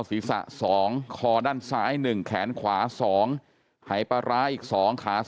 น้องชายยิงไป๙นัตฑ์